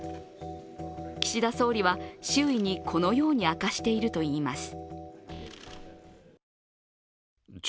岸田総理は周囲にこのように明かしているといいます。